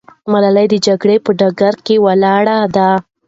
ملالۍ د جګړې په ډګر کې ولاړه ده.